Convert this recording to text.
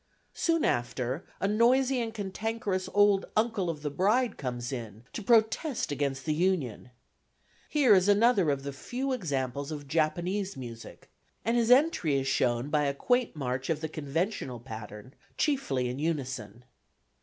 Soon after, a noisy and cantankerous old uncle of the bride comes in to protest against the union. Here is another of the few examples of Japanese music, and his entry is shown by a quaint march of the conventional pattern chiefly in unison.